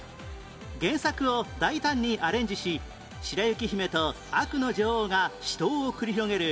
原作を大胆にアレンジし白雪姫と悪の女王が死闘を繰り広げる